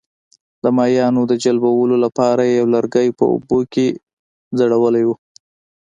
د ماهیانو د جلبولو لپاره یې یو لرګی په اوبو کې ځړولی وو.